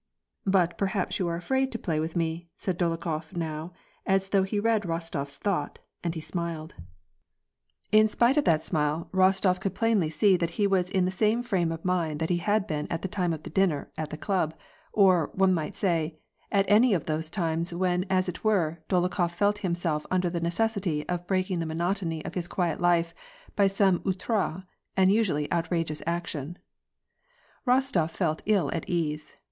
" But perhaps you are afraid to play with me," said Dolokhof now, as though he read Rostof's thought, and he smiled. WAR AND PEACE. 63 In spite of that smile^ Bostof could plainly see that he was in the same frame of mind that he had been at the time of the dinner at the club, or, one might say, at any of those times when as it were, Dolokhof felt himself under the neces sity of breaking the monotony of his quiet life by some outre, and usually outrageous action. Boetof felt ill at ease.